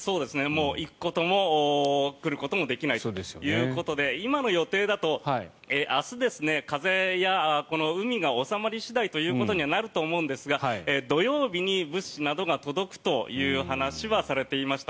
もう行くことも来ることもできないということで今の予定だと明日、風やこの海が収まり次第ということにはなると思うんですが土曜日に物資などが届くという話はされていました。